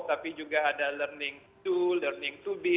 tapi juga ada learning to learning to be